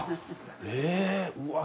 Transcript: えうわっ